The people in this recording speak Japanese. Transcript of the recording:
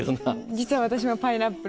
実は私はパイナップルって。